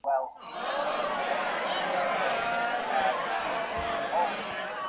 তিনি তার উত্তরসুরি হিসেবে আল-জাজিরার গভর্নর হয়।